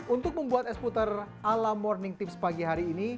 untuk membuat es puter ala morning tips pagi hari ini